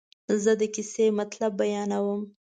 زه د کیسې مطلب بیانوم.